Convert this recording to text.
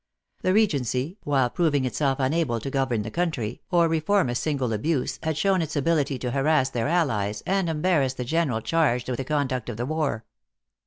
The Regency, while proving itself unable to govern the country, or reform a single abuse, had shown its ability to harass their allies and embarrass the general charged with the conduct of the war.